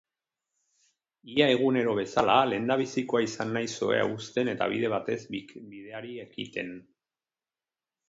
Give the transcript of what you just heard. Ia egunero bezala lehendabizikoa izan naiz ohea uzten eta bide batez bideari ekiten.